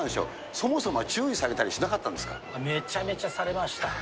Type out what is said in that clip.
そもそも注意されたりしなかっためちゃめちゃされました。